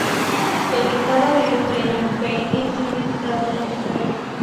El estado de estrella Be es un estado transitorio.